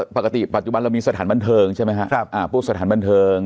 ปัจจุบันเรามีสถานบันเทิงใช่ไหมครับพวกสถานบันเทิง